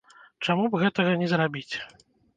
Чаму б гэтага не зрабіць?